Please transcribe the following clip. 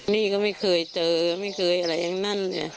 นี่ก็ไม่เคยเจอไม่เคยอะไรทั้งนั้น